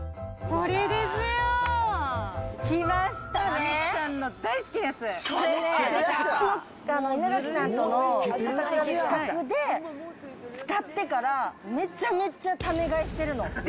これね、稲垣さんとの企画で使ってから、めちゃめちゃため買いしてるの。